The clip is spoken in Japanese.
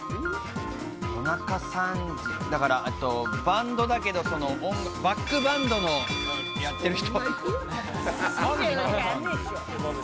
夜中３時だからバンドだけれど、バックバンドのやってる人。